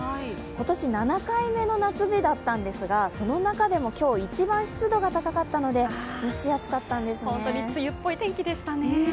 今年７回目の夏日だったんですがその中でも今日一番湿度が高かったので梅雨っぽい天気でしたね。